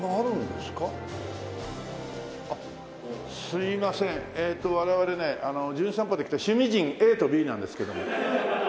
すいません我々ね『じゅん散歩』で来た趣味人ＡとＢなんですけども。